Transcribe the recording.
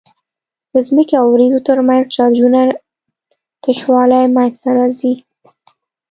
د ځمکې او وريځو ترمنځ چارجونو تشوالی منځته راځي.